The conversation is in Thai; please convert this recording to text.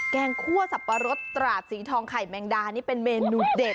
งคั่วสับปะรดตราดสีทองไข่แมงดานี่เป็นเมนูเด็ด